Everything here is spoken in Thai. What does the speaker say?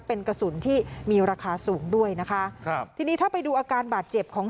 เป็นกระสุนที่มีราคาสูงด้วยนะคะครับทีนี้ถ้าไปดูอาการบาดเจ็บของ